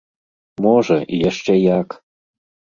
Можа, і яшчэ як!